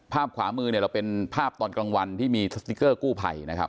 ขวามือเนี่ยเราเป็นภาพตอนกลางวันที่มีสติ๊กเกอร์กู้ภัยนะครับ